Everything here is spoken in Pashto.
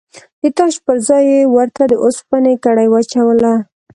د تاج پر ځای یې ورته د اوسپنې کړۍ واچوله.